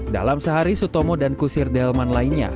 dalam sehari sutomo dan kusir delman lainnya